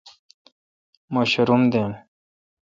مہ شاروم دین۔